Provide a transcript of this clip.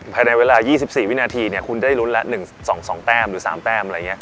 ภายในเวลา๒๔วินาทีคุณได้รุ้นละ๑๒แป้มหรือ๓แป้ม